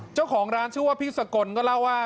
เจ้าของร้านชื่อว่าพี่สกลก็เล่าว่า